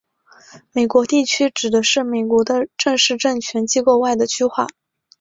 美国地区指的美国的正式政权机构外的区划。